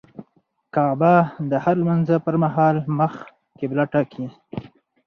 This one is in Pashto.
کعبه د هر لمونځه پر مهال مخ قبله ټاکي.